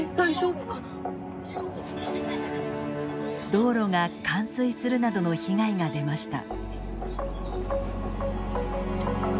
道路が冠水するなどの被害が出ました。